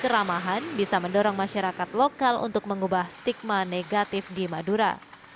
keramahan bisa mendorong masyarakat lokal untuk mengubah stigma negatif di madura